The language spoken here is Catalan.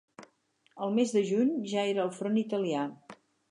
El mes de juny ja era al front italià.